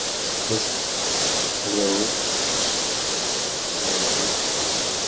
The town is located on the north bank of the Danube-Tisa-Danube canal.